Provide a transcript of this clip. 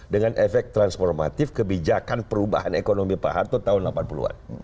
dengan efek transformatif kebijakan perubahan ekonomi pak harto tahun delapan puluh an